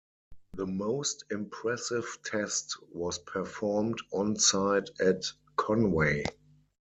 The most impressive test was performed on-site at Conway.